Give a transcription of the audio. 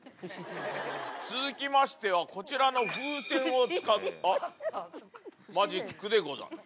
続きましてはこちらの風船を使ったマジックでござる。